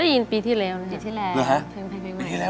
ได้ยืนปฏิเสธที่แล้วนะค่ะ